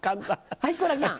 はい好楽さん。